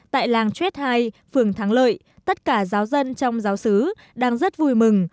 tại làng trait hai phường thắng lợi tất cả giáo dân trong giáo sứ đang rất vui mừng